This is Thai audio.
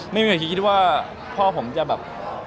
ไม่มีใครคิดว่าพ่อผมจะแบบ